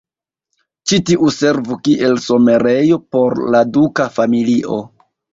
Ĉi tiu servu kiel somerejo por la duka familio.